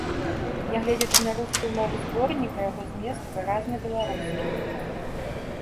Нягледзячы на рускую мову зборніка, яго змест выразна беларускі.